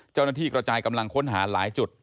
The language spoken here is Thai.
เจ้าหน้าที่กระจายกำลังค้นหาหลายจุด